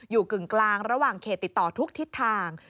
กึ่งกลางระหว่างเขตติดต่อทุกทิศทาง